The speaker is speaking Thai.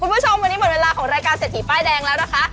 คุณผู้ชมวันนี้หมดเวลาของรายการเศรษฐีป้ายแดงแล้วนะคะ